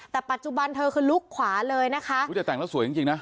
แต่ปัจจุบันเธอคือลุกขวาเลยนะคะอุ้ยแต่แต่งแล้วสวยจริงจริงนะ